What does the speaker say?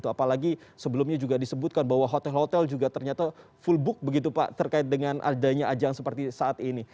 apalagi sebelumnya juga disebutkan bahwa hotel hotel juga ternyata full book begitu pak terkait dengan adanya ajang seperti saat ini